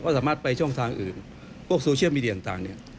สามารถไปช่องทางอื่นพวกโซเชียลมีเดียต่างเนี่ย